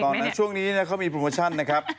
นั้นช่วงนี้เขามีโปรโมชั่นนะครับ